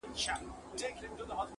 سمه ده يو لاس نه به ټک نه خېژي